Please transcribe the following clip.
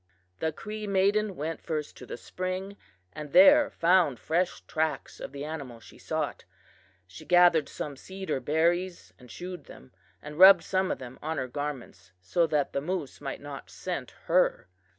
"The Cree maiden went first to the spring, and there found fresh tracks of the animal she sought. She gathered some cedar berries and chewed them, and rubbed some of them on her garments so that the moose might not scent her.